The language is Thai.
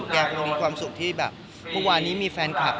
แกคงมีความสุขที่แบบ